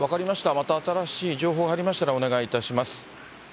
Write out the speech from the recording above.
また新しい情報が入りましたらお願いいたします。